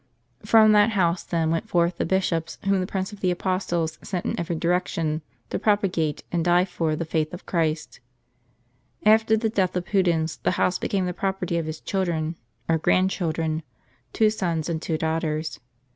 "'* From that house, then, went forth the bishops, whom the Prince of the Apostles sent in every direction, to propagate, and die for, the faith of Christ. After the death of Pudens, the house became the property of his children, or grandchildren,! two sons and two llljlktjj St. Pudentiana, St. Priscilla, and St. Praxcdes. daughters.